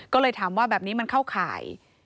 ก็เลยถามว่าแบบนี้มันเข้าข่าย